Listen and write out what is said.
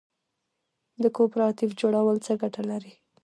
د کوپراتیف جوړول څه ګټه لري؟